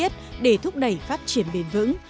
và các kỹ năng cần thiết để thúc đẩy phát triển bền vững